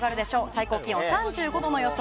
最高気温３５度の予想。